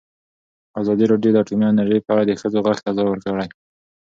ازادي راډیو د اټومي انرژي په اړه د ښځو غږ ته ځای ورکړی.